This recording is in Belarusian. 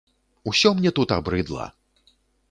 Усё мне тут абрыдла!